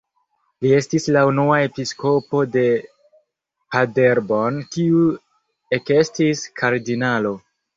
Li estis la unua episkopo de Paderborn kiu ekestis kardinalo.